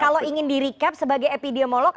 kalau ingin di recap sebagai epidemiolog